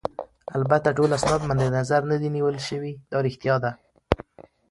البته ټول اسناد مدنظر نه دي نیول شوي، دا ريښتیا ده.